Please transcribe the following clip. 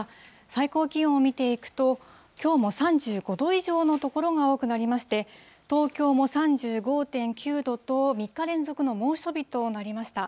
最高気温を見ていくと、きょうも３５度以上の所が多くなりまして、東京も３５．９度と、３日連続の猛暑日となりました。